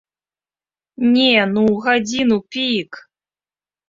Не, ну ў гадзіну-пік!